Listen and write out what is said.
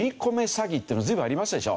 詐欺っていうのは随分ありましたでしょ。